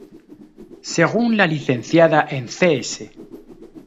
Según la Licenciada en Cs.